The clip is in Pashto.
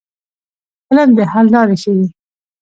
فلم د حل لارې ښيي